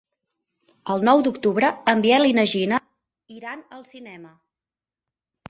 El nou d'octubre en Biel i na Gina iran al cinema.